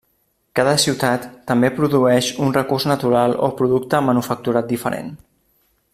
Cada ciutat també produeix un recurs natural o producte manufacturat diferent.